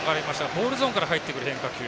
ボールゾーンから入ってくる変化球。